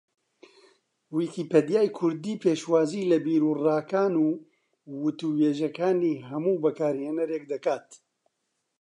ویکیپیدیای کوردی پێشوازی لە بیروڕاکان و وتووێژەکانی ھەموو بەکارھێنەرێک دەکات